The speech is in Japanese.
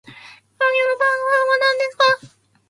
今夜の晩御飯は何ですか？